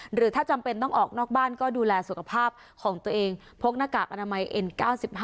หรือถ้าจำเป็นต้องออกนอกบ้านก็ดูแลสุขภาพของตัวเองพกหน้ากากอนามัยเอ็น๙๕